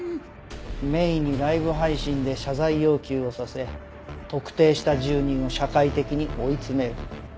ＭＡＹにライブ配信で謝罪要求をさせ特定した１０人を社会的に追い詰める。